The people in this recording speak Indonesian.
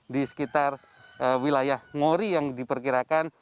di sekitar wilayah ngori yang diperkirakan